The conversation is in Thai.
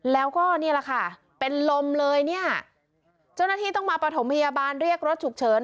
แล้วก็นี่แหละค่ะเป็นลมเลยเนี่ยเจ้าหน้าที่ต้องมาประถมพยาบาลเรียกรถฉุกเฉิน